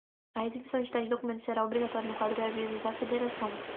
A exibição de tais documentos será obrigatória no quadro de avisos da federação.